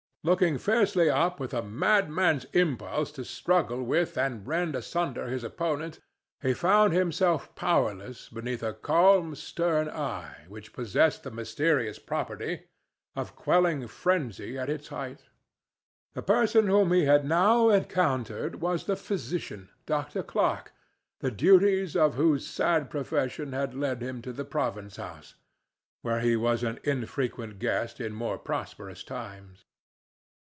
Looking fiercely up with a madman's impulse to struggle with and rend asunder his opponent, he found himself powerless beneath a calm, stern eye which possessed the mysterious property of quelling frenzy at its height. The person whom he had now encountered was the physician, Dr. Clarke, the duties of whose sad profession had led him to the province house, where he was an infrequent guest in more prosperous times.